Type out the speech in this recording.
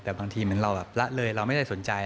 แต่บางทีเหมือนเราแบบละเลยเราไม่ได้สนใจ